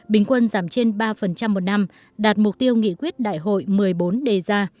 bình quân giảm trên ba một năm đạt mục tiêu nghị quyết đại hội một mươi bốn đề ra